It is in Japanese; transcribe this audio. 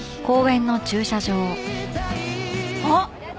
あっ！